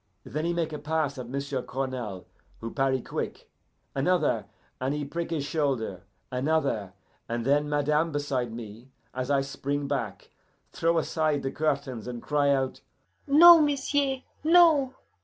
Then he make a pass at m'sieu' Cournal, who parry quick. Another, and he prick his shoulder. Another, and then madame beside me, as I spring back, throw aside the curtains, and cry out, 'No, m'sieu'! no!